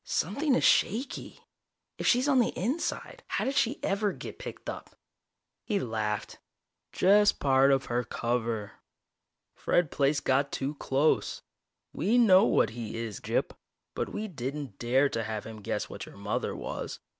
"Something is shaky. If she's on the inside, how did she ever get picked up?" He laughed. "Just part of her cover. Fred Plaice got too close. We know what he is, Gyp. But we didn't dare to have him guess what your mother was.